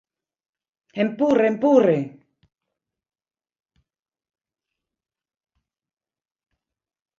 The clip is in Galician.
Empurre, empurre!